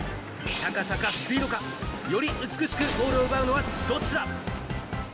高さかスピードか、より美しくゴールを奪うのはどっちだ。